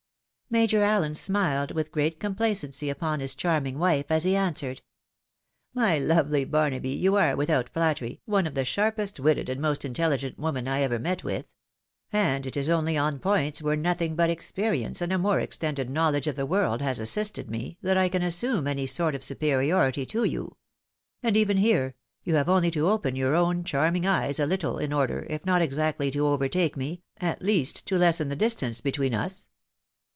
Major Allen smiled with great complacency upon his charm ing wife, as he answered, " My lovely Barnaby, you are, with out flattery, one of the sharpest witted and most intelligent women I ever met with ; and it is only on points, where nothing but experience and a more extended knowledge of the world has assisted me, that I can assume any sort of superiority to yoTi ; and even here, you have only to open your own charming eyes a little, in order, if not exactly to overtake me, at least to lessen the distance between us.